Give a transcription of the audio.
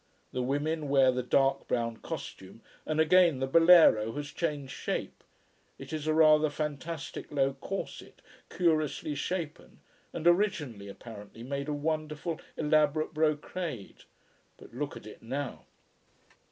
The women wear the dark brown costume, and again the bolero has changed shape. It is a rather fantastic low corset, curiously shapen; and originally, apparently, made of wonderful elaborate brocade. But look at it now.